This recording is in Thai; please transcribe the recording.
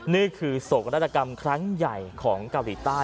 นี่คือโศกนาฏกรรมครั้งใหญ่ของเกาหลีใต้